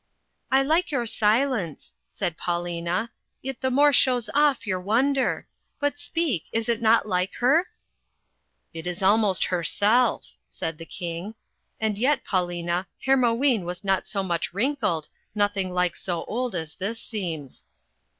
"I Hke your silence," said Paulina, "it the more shows off your wonder; but speak, is it not like her?'* "It is almost herself," said the King, "and yet, Paulina, Hermione was not so much wrinkled, nothing like so old as this seems."